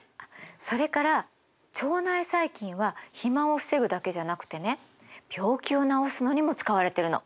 それから腸内細菌は肥満を防ぐだけじゃなくてね病気を治すのにも使われてるの。